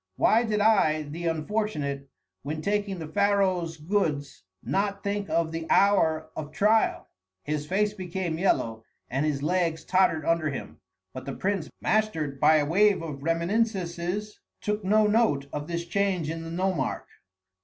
Why did I, the unfortunate, when taking the pharaoh's goods, not think of the hour of trial?" His face became yellow, and his legs tottered under him. But the prince, mastered by a wave of reminiscences, took no note of this change in the nomarch.